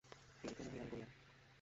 তিনি তো মহীয়ান গরীয়ান।